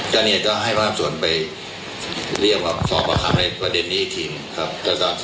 คุณมิคารก็มีบอกว่ากิโลยีอยู่แต่ว่าอาจจะเอาไปใครเป็นเครียร์หลักฐานในคันสุกิ